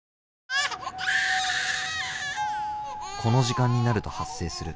この時間になると発生する